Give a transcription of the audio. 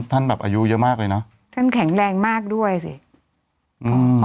แบบอายุเยอะมากเลยนะท่านแข็งแรงมากด้วยสิอืม